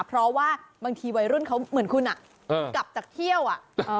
เพราะว่าบางทีวัยรุ่นเขาเหมือนคุณอ่ะกลับจากเที่ยวอ่ะ